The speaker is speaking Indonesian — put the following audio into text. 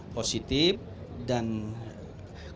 positif dan keluarga yang tadinya ingin menangkan itu